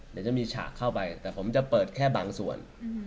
เดี๋ยวจะมีฉากเข้าไปแต่ผมจะเปิดแค่บางส่วน